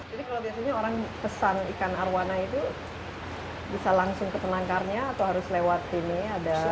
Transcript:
jadi kalau biasanya orang pesan ikan arowana itu bisa langsung ke penangkarnya atau harus lewat ini ada